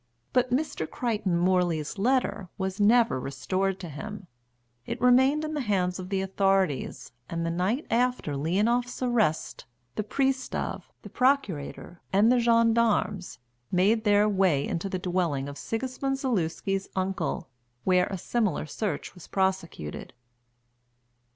But Mr. Crichton Morley's letter was never restored to him, it remained in the hands of the authorities, and the night after Leonoff's arrest the pristav, the procurator, and the gendarmes made their way into the dwelling of Sigismund Zaluski's uncle, where a similar search was prosecuted.